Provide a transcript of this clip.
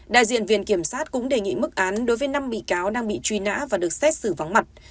đại diện viện kiểm sát cũng đề nghị mức án đối với năm bị cáo đang bị truy nã và được xét xử vắng mặt